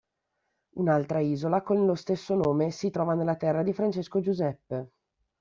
Un'altra isola con lo stesso nome si trova nella terra di Francesco Giuseppe.